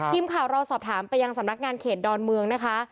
ทีมข่าวเราสอบถามไปยังสำนักงานเขตดอนเมืองนะคะ